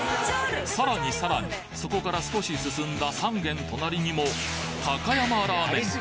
さらにさらにそこから少し進んだ３軒となりにも「高山ラーメン」